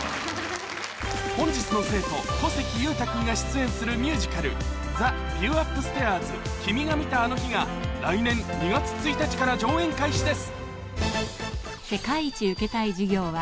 本日の生徒小関裕太君が出演するミュージカル『ＴｈｅＶｉｅｗＵｐｓｔａｉｒｓ−君が見た、あの日−』が来年２月１日から上演開始です